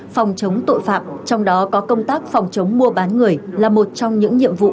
phòng chống tội phạm trong đó có công tác phòng chống mua bán người là một trong những nhiệm vụ